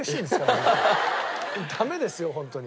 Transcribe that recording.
ダメですよホントに。